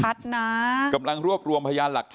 อันนี้แม่งอียางเนี่ย